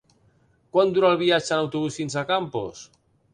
Quant dura el viatge en autobús fins a Campos?